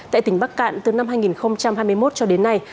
tại tỉnh bắc cạn từ năm hai nghìn hai mươi một cho đến nay